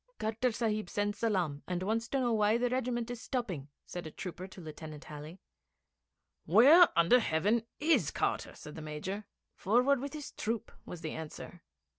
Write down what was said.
'Carter Sahib sends salaam and wants to know why the regiment is stopping,' said a trooper to Lieutenant Halley. 'Where under heaven is Carter?' said the Major. 'Forward with his troop,' was the answer.